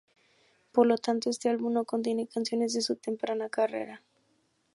Por lo tanto, este álbum no contiene canciones de su temprana carrera.